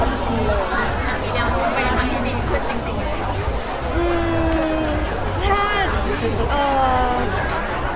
อย่างนี้ดีขึ้นจริงหรือ